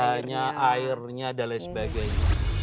ph nya airnya dan lain sebagainya